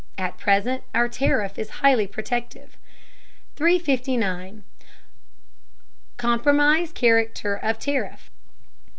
At present our tariff is highly protective. 359. COMPROMISE CHARACTER OF TARIFF.